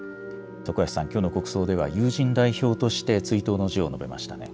徳橋さん、きょうの国葬では、友人代表として追悼の辞を述べましたね。